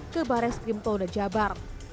ke barat skrimto dan jabar